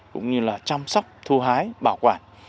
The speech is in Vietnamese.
cũng như là chăm sóc thu hái bảo quản